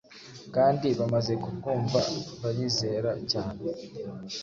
kandi bamaze kubwumva barizera cyane.